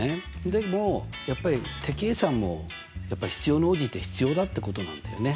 でもやっぱり手計算も必要に応じて必要だってことなんだよね。